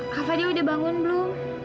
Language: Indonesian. kak fadil udah bangun belum